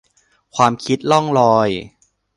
ความคิดล่องลอย